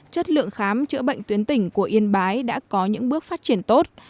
chất lượng khám chữa bệnh tuyến tỉnh của yên bái đã có những bước phát triển tốt